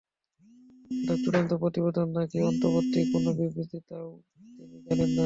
এটা চূড়ান্ত প্রতিবেদন নাকি অন্তর্বর্তী কোনো বিবৃতি, তাও তিনি জানেন না।